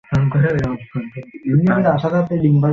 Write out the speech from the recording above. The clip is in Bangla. আর এই চমৎকার সম্ভব হয়েছে, শুধুমাত্র আপনাদের জন্য।